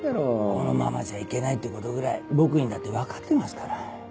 このままじゃいけないってことぐらい僕にだって分かってますから。